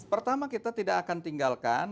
pertama kita tidak akan tinggalkan